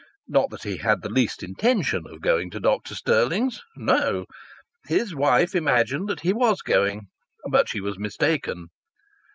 Not that he had the least intention of going to Dr. Stirling's. No! His wife imagined that he was going. But she was mistaken.